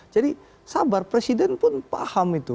jadi sabar presiden pun paham itu